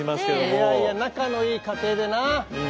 いやいや仲のいい家庭でな。